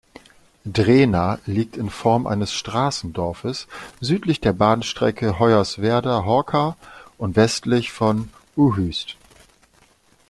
Drehna liegt in Form eines Straßendorfes südlich der Bahnstrecke Hoyerswerda–Horka und westlich von Uhyst.